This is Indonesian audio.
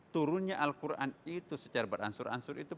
turunnya al quran itu secara beransur ansur itu